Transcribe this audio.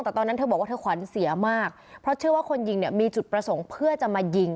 แต่ตอนนั้นเธอบอกว่าเธอขวัญเสียมากเพราะเชื่อว่าคนยิงเนี่ยมีจุดประสงค์เพื่อจะมายิง